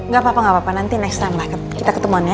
gapapa gapapa nanti next time lah kita ketemuan ya